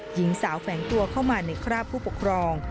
หญิงสาวแฝงตัวเข้ามาในคราบผู้ปกครอง